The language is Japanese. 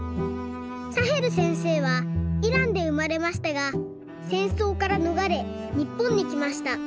サヘルせんせいはイランでうまれましたがせんそうからのがれにっぽんにきました。